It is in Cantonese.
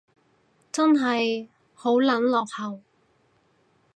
真係好撚落後